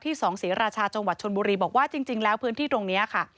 สองศรีราชาจังหวัดชนบุรีบอกว่าจริงแล้วพื้นที่ตรงนี้ค่ะ